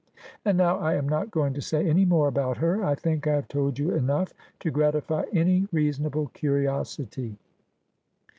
And now I am not going to say any more about her. I think I have told you enough to gratify any reasonable curiosity.